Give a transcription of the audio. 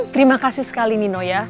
terima kasih sekali nino ya